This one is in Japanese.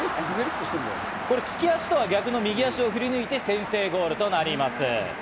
利き足とは逆の右足を振り抜いて先制ゴールとなります。